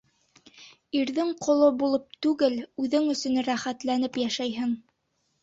Ирҙең ҡоло булып түгел, үҙең өсөн рәхәтләнеп йәшәйһең.